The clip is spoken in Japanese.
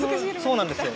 そうなんですよ。